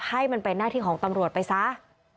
ให้มันเป็นหน้าที่ของตำรวจไปซะ